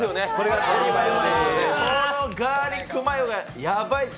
このガーリックマヨがヤバいです。